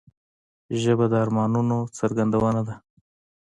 ژبه د ارمانونو څرګندونه ده